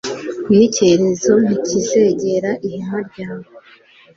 n’icyorezo ntikizegera ihema ryawe